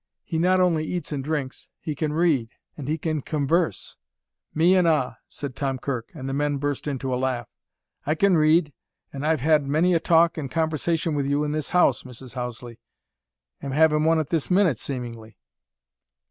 "He not only eats and drinks. He can read, and he can converse." "Me an' a'," said Tom Kirk, and the men burst into a laugh. "I can read an' I've had many a talk an' conversation with you in this house, Mrs. Houseley am havin' one at this minute, seemingly."